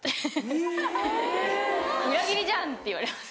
・えぇ・「裏切りじゃん！」って言われます。